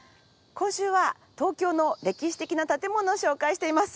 今週は東京の歴史的な建物を紹介しています。